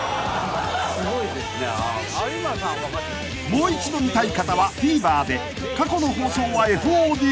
［もう一度見たい方はＴＶｅｒで過去の放送はＦＯＤで］